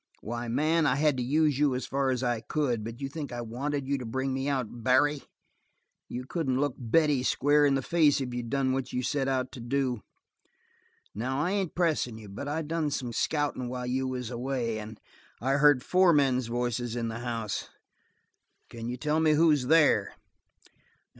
Why, man, I had to use you as far as I could. But you think I wanted you to bring me out Barry? You couldn't look Betty square in the face if you'd done what you set out to do. Now, I ain't pressin' you, but I done some scouting while you was away, and I heard four men's voices in the house. Can you tell me who's there?"